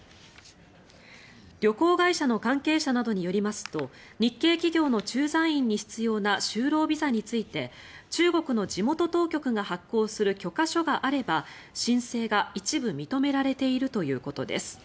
旅行会社の関係者などによりますと日系企業の駐在員に必要な就労ビザについて中国の地元当局が発行する許可書があれば申請が一部認められているということです。